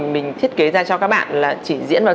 mình thiết kế ra cho các bạn là chỉ diễn vào